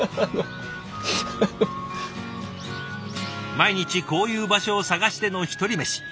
毎日こういう場所を探しての一人飯。